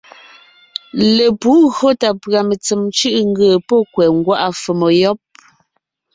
Lepǔ ńgÿo tà pʉ̀a mentsèm cʉ̀ʼʉ ńgee pɔ́ kwɛ̀ ńgwá’a fòmo yɔ́b.